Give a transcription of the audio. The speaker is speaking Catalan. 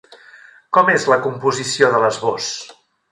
Com és la composició de l'esbós?